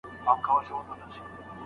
سید قطب شهید سو.